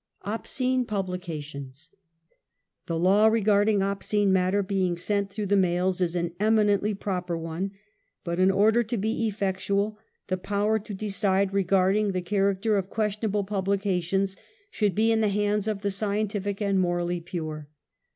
Obscene Publications. The law regarding "obscene matter being sent through the mails," is an eminently proper one. But in order to be effectual, the power to decide re 128 UNMASKED. garding the character of questionable publications should be in the hands of the scientific and morally pure.